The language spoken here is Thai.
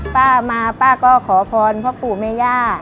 ป้ามาป้าก็ขอพรพ่อปู่แม่ย่า